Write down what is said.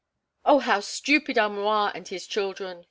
"Oh, how stupid are M'Rua and his children!"